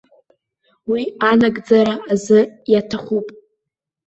Уи анагӡара азы иаҭахуп.